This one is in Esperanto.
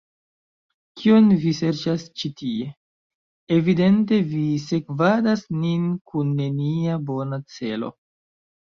Kion vi serĉas ĉi tie? Evidente vi sekvadas nin kun nenia bona celo.